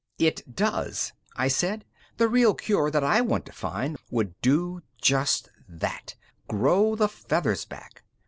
"It does," I said. "The real cure that I want to find would do just that 'grow the feathers back'.